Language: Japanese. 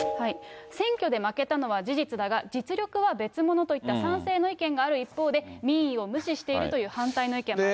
選挙で負けたのは事実だが、実力は別物といった、賛成の意見がある一方で、民意を無視しているとの反対の意見もあった。